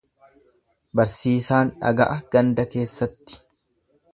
Barsiisaan dhaga'a ganda keessatti.